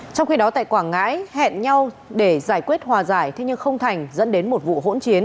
trong khi đó tại quảng ngãi hẹn nhau để giải quyết hòa giải thế nhưng không thành dẫn đến một vụ hỗn chiến